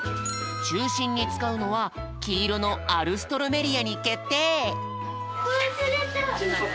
ちゅうしんにつかうのはきいろのアルストロメリアにけってい！